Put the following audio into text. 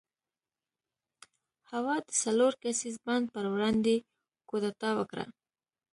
هوا د څلور کسیز بانډ پر وړاندې کودتا وکړه.